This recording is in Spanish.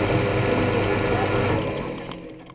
Universidad de León.